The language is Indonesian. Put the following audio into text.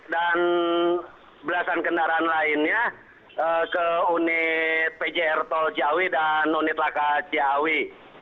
dan belasan kendaraan lainnya ke unit pjr tol jawi dan unit laka jawi